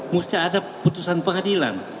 mesti ada putusan pengadilan